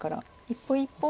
一歩一歩。